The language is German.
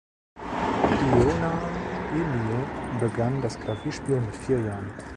Ioana Ilie begann das Klavierspiel mit vier Jahren.